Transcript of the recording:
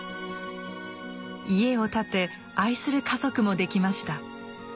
家を建て愛する家族もできました。